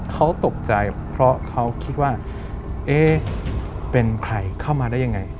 เขาตกใจเพราะเขาคิดว่าเอ๊ะเป็นใครเข้ามาได้ยังไง